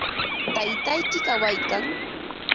¿Taytayki kawaykan?